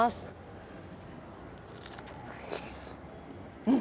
うん。